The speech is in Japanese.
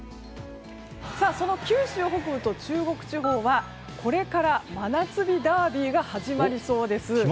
その九州北部と中国地方はこれから真夏日ダービーが始まりそうです。